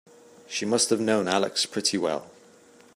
She must have known Alex pretty well.